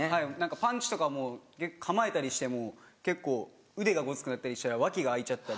パンチとかも構えたりしても結構腕がごつくなったりしたら脇が開いちゃったり。